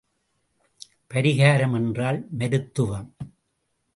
பரிகாரம் என்றால் மருத்துவம்.